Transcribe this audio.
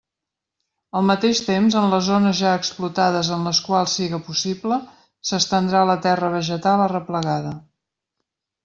Al mateix temps, en les zones ja explotades en les quals siga possible, s'estendrà la terra vegetal arreplegada.